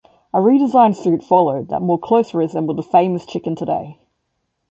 A redesigned suit followed that more closely resembled The Famous Chicken today.